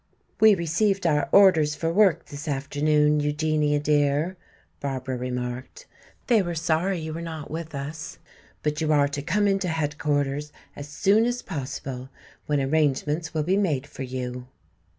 "We received our orders for work this afternoon, Eugenia dear," Barbara remarked. "They were sorry you were not with us. But you are to come in to headquarters as soon as possible, when arrangements will be made for you."